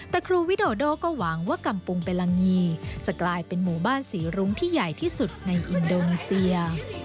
แต่ครูวิโดโดก็หวังว่ากำปุงเบลังงีจะกลายเป็นหมู่บ้านศรีรุ้งที่ใหญ่ที่สุดในอินโดนีเซีย